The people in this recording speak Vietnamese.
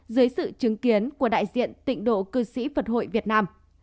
dưới sự chứng kiến của đại diện tịnh độ cơ sĩ phật hội việt nam